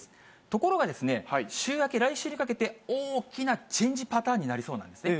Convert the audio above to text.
ところが週明け、来週にかけて、大きなチェンジパターンになりそうなんですね。